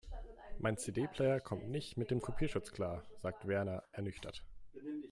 Mein CD-Player kommt nicht mit dem Kopierschutz klar, sagt Werner ernüchtert.